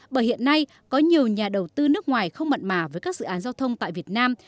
bởi hiện nay có nhiều nhà đầu tư nước ngoài không mặn mà với các dự án giao thông tại việt nam